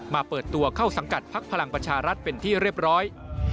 เปิดตัวเข้าสังกัดพักพลังประชารัฐเป็นที่เรียบร้อย